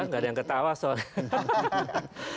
nggak ada yang ketawa soalnya